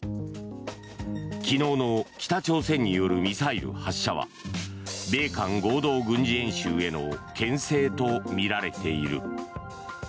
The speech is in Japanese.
昨日の北朝鮮によるミサイル発射は米韓合同軍事演習へのけん制とみられている。